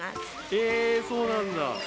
えー、そうなんだ。